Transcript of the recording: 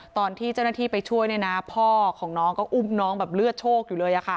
ตอนที่เจ้าหน้าที่ไปช่วยเนี่ยนะพ่อของน้องก็อุ้มน้องแบบเลือดโชคอยู่เลย